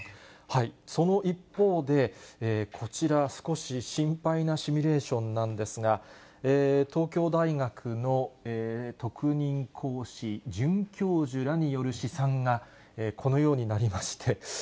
その一方で、こちら、少し心配なシミュレーションなんですが、東京大学の特任講師、准教授らによる試算がこのようになりまして。